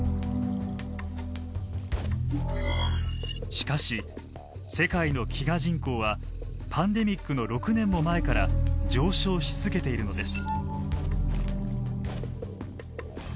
しかし世界の飢餓人口はパンデミックの６年も前から上昇し続けているのです。